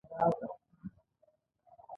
په هېڅ کار کې اور په خوله منډل په کار نه دي.